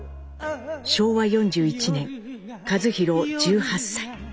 昭和４１年一寛１８歳。